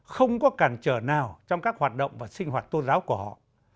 không có cản trở nào trong các hoạt động và sinh hoạt tôn giáo của họ